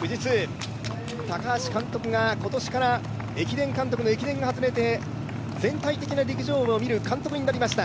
富士通、高橋監督が今年から駅伝監督を外れて全体的な陸上部を見る監督になりました。